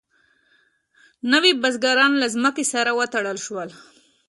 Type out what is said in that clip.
نوي بزګران له ځمکې سره وتړل شول.